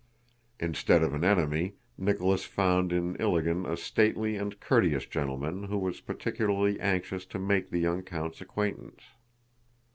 Instead of an enemy, Nicholas found in Ilágin a stately and courteous gentleman who was particularly anxious to make the young count's acquaintance.